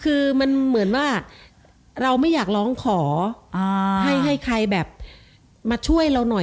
คือมันเหมือนว่าเราไม่อยากร้องขอให้ให้ใครแบบมาช่วยเราหน่อย